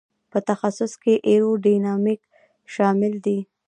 په تخصص کې ایرو ډینامیک شامل دی.